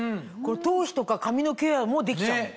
頭皮とか髪のケアもできちゃうの？